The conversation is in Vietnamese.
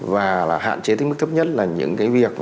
và hạn chế đến mức thấp nhất là những cái việc